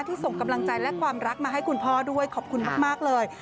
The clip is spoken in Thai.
ส่งกำลังใจและความรักมาให้คุณพ่อด้วยขอบคุณมากเลย